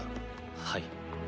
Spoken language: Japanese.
はい。